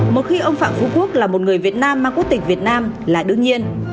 một khi ông phạm phú quốc là một người việt nam mang quốc tịch việt nam là đương nhiên